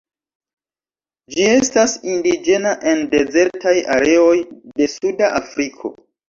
Ĝi estas indiĝena en dezertaj areoj de suda Afriko.